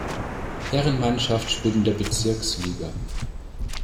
Herrenmannschaft spielt in der Bezirksliga.